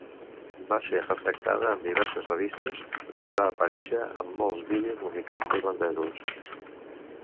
Va ser retractada en diverses revistes i va aparèixer en molts vídeos musicals tailandesos.